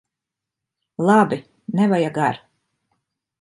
Labi! Nevajag ar'.